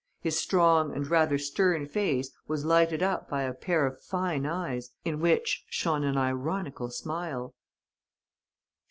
His strong and rather stern face was lighted up by a pair of fine eyes in which shone an ironical smile.